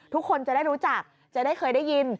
ทุกคนจะได้รู้จักจะได้เคยได้ยิน